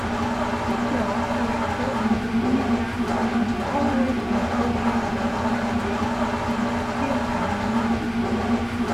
Popular calypso in Dominica has always been closely associated with steelpan music.